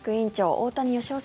大谷義夫